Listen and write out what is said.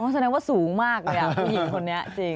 แสดงว่าสูงมากเลยผู้หญิงคนนี้จริง